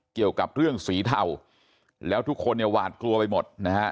เกี่ยวกับเรื่องสีเทาแล้วทุกคนเนี่ยหวาดกลัวไปหมดนะฮะ